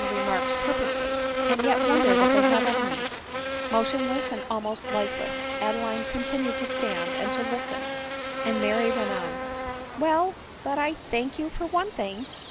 remarks purposely, and yet won der that they have enemies ! Motionless and almost lifeless Adeline continued to stand and to listen, and Mary went on —" Well, but I thank you for one thing.